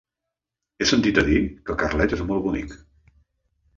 He sentit a dir que Carlet és molt bonic.